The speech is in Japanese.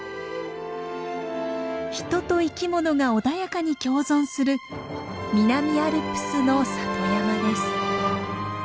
人と生きものが穏やかに共存する南アルプスの里山です。